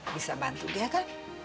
bisa bantu dia kan